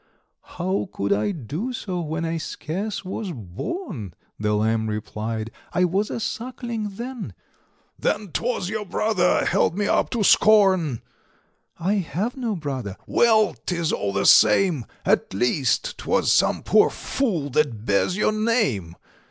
"How could I do so, when I scarce was born?" The Lamb replied; "I was a suckling then." "Then 'twas your brother held me up to scorn." "I have no brother." "Well, 'tis all the same; At least 'twas some poor fool that bears your name.